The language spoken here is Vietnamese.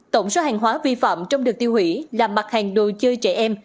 tổng số hàng hóa vi phạm trong đợt tiêu hủy là mặt hàng đồ chơi trẻ em